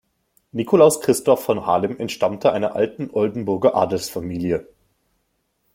Nikolaus Christoph von Halem entstammte einer alten Oldenburger Adelsfamilie.